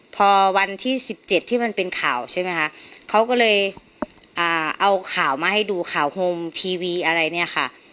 พอวันที่สิบเจ็ดที่มันเป็นข่าวใช่ไหมคะเขาก็เลยเอาข่าวมาให้ดูข่าวโฮมทีวีอะไรเนี่ยค่ะ